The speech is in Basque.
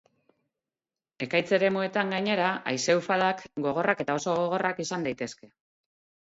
Ekaitz eremuetan, gainera, haize-ufadak gogorrak edo oso gogorrak izan daitezke.